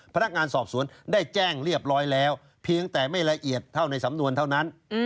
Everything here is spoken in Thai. พนักงานสอบสวนได้แจ้งเรียบร้อยแล้วเพียงแต่ไม่ละเอียดเท่าในสำนวนเท่านั้น